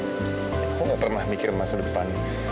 aku gak pernah mikir masa depan